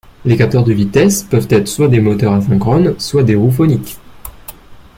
Les capteurs de vitesse peuvent être soit des moteurs asynchrones soit des roues phoniques.